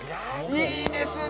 いいですね！